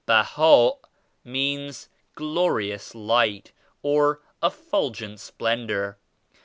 *Baha' means ^Glorious Light' or 'Effulgent Splendor.'